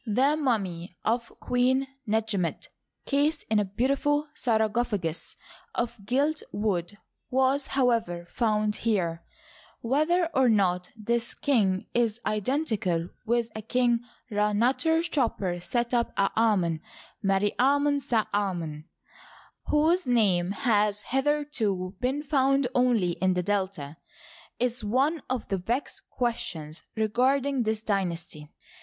The mummy of Queen Netjemet, cased in a beautiful sarcophagus of gilt wood, was, however, found here. Whether or not tnis king is identical with a King Rd'fiuter choper'Setep'en'Afnon, Meri Amon'Sa" Amon, whose name has hitherto been found only in the Delta, is one of the vexed questions regarding this dynas ty.